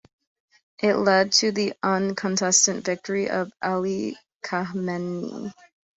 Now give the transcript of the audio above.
It led to the uncontested victory of Ali Khamenei.